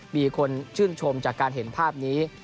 มีคนชื่นชมจากการเห็นภาพนี้